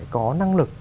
có năng lực